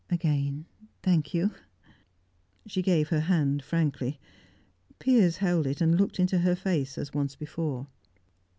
Again, thank you!" She gave her hand frankly. Piers held it, and looked into her face as once before.